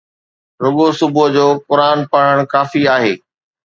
رڳو صبح جو قرآن پڙهڻ ڪافي آهي